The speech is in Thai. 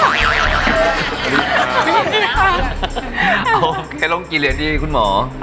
เอาแค่ลงกี่เรียนที่คุณหมอ